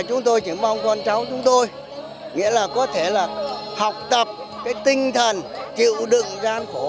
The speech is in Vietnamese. chúng tôi chỉ mong con cháu chúng tôi nghĩa là có thể là học tập cái tinh thần chịu đựng gian khổ